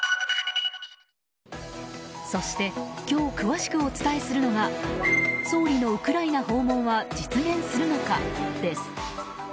そして、今日詳しくお伝えするのが総理のウクライナ訪問は実現するのか？です。